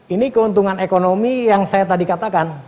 ini keuntungan ekonomi yang saya tadi katakan